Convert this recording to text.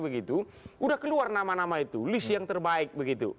sudah keluar nama nama itu list yang terbaik begitu